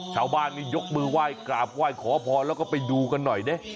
ชาวบ้านนี่ยกมือไหว้กราบไหว้ขอพรแล้วก็ไปดูกันหน่อยดิ